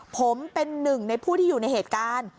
ผมเป็นหนึ่งในผู้ที่อยู่ในเหตุการณ์